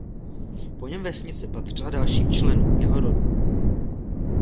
Po něm vesnice patřila dalším členů jeho rodu.